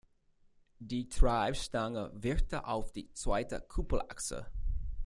Die Treibstange wirkte auf die zweite Kuppelachse.